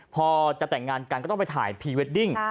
พอจะแต่งงานกันก็ต้องไปถ่ายพรีเวดดิ้ง